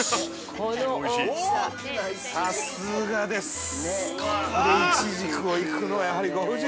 ここで、いちじくに行くのはやはりご夫人。